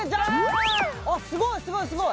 垢瓦すごいすごい。